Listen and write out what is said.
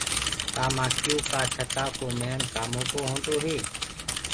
ڪآ مآکيو ڪآ ڇتآ ڪو ميڻ ڪآمو ڪو هوندو هي۔